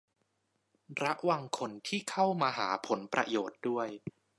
ระวังคนที่เข้ามาหาผลประโยชน์ด้วย